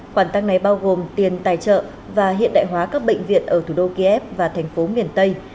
khoản tăng này bao gồm tiền tài trợ và hiện đại hóa các bệnh viện ở thủ đô kiev và thành phố miền tây